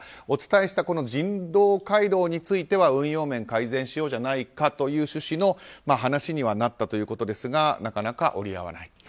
お伝えした人道回廊については運用面を改善しようではないかという話にはなったということですがなかなか折り合わない。